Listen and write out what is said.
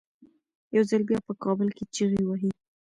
یو ځل بیا په کابل کې چیغې وهي.